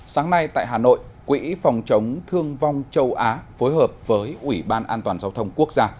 sáng nay tại hà nội quỹ phòng chống thương vong châu á phối hợp với ủy ban an toàn giao thông quốc gia